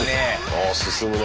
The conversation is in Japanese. あ進むね。